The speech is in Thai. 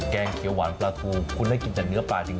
งเขียวหวานปลาทูคุณได้กินแต่เนื้อปลาจริง